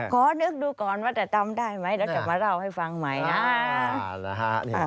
ขอนึกดูก่อนว่าจะจำได้ไหมแล้วจะมาเล่าให้ฟังใหม่นะ